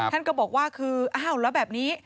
ท่านก็บอกว่าคืออ้าวแล้วแบบนี้